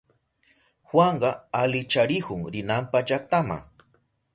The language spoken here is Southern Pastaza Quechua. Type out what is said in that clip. Juanka alicharihun rinanpa llaktama.